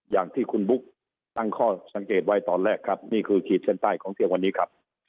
อย่างที่คุณบุ๊คตั้งข้อสังเกตไว้ตอนแรกครับนี่คือขีดเส้นใต้ของเที่ยงวันนี้ครับ